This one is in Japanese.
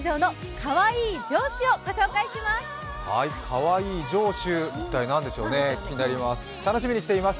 かわいい城主、一体なんでしょうね、気になります。